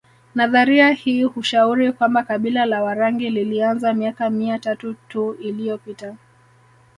Nadharia hii hushauri kwamba kabila la Warangi lilianza miaka mia tatu tu iliyopita